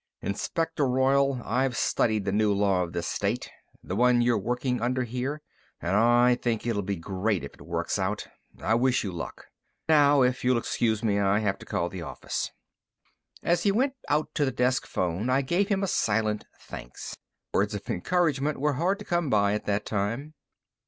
"Inspector Royall, I've studied the new law of this state the one you're working under here and I think it'll be great if it works out. I wish you luck. Now, if you'll excuse me, I have to call the office." As he went out to the desk phone, I gave him a silent thanks. Words of encouragement were hard to come by at that time.